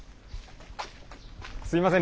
すいません